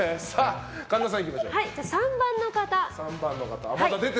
３番の方。